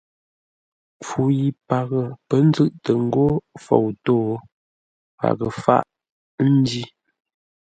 Mpfu yi paghʼə pə̌ nzʉ̂ʼtə ńgó fou tó, paghʼə fáʼ, ńjí.